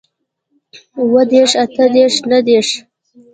اووه دېرش اتۀ دېرش نهه دېرش